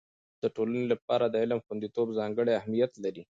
د ټولنې لپاره د علم خوندیتوب ځانګړی اهميت لري.